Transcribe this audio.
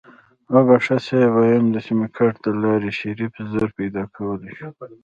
وبښه صيب ويم د سيمکارټ دلارې شريف زر پيدا کولی شو.